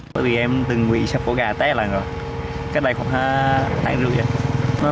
bởi vì em từng bị xe sụp ổ gà té lần rồi cách đây khoảng tháng rưỡi rồi